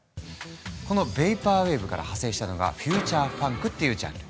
このヴェイパーウェーブから派生したのがフューチャーファンクっていうジャンル。